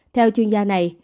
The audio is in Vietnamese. theo chuyên gia này